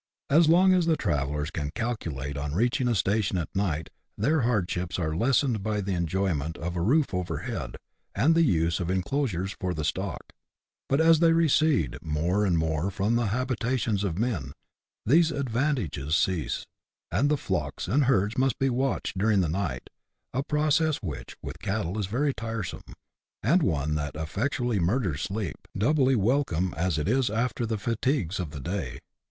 As long as the travellers can calculate on reaching a station at night, their hardships are lessened by the enjoyment of a roof over head, and the use of enclosures for the stock ; but as they recede more and more from the habitations of men, these advantages cease, and the flocks and herds must be watched during the night, a process which, with cattle, is very tiresome, and one that effectually murders sleep, doubly welcome as it is 20 BUSH LIFE IN AUSTRALIA. [chap. ii. after the fatigues of the day.